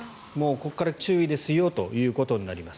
ここから注意ですよということになります。